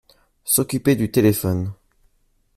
S’occuper du téléphone.